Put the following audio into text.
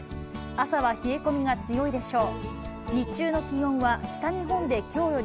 朝は冷え込みが強いでしょう。